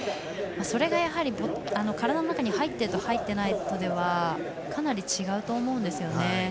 それが体の中に入っているのと入っていないのとではかなり違うと思うんですね。